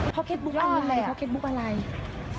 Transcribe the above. พอร์เก็ตบุ๊กอะไรพอร์เก็ตบุ๊กอะไรอันนี้แหละ